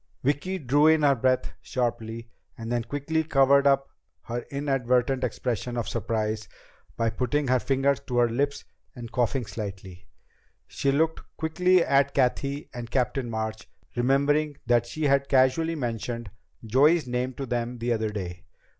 Vicki drew in her breath sharply, then quickly covered up her inadvertent expression of surprise by putting her fingers to her lips and coughing lightly. She looked quickly at Cathy and Captain March, remembering that she had casually mentioned Joey's name to them the other day.